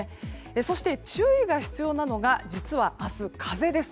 そして注意が必要なのが実は明日、風です。